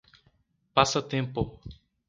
Passa Tempo